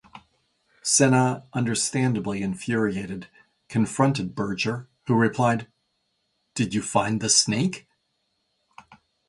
Senna understandably infuriated, confronted Berger, who replied, Did you find the snake?